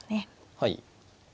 はい。